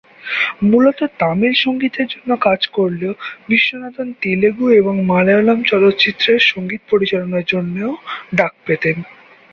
মূলত তামিল সঙ্গীতের জন্য কাজ করলেও বিশ্বনাথন তেলুগু এবং মালয়ালম চলচ্চিত্রের সঙ্গীত পরিচালনার জন্যও ডাক পেতেন।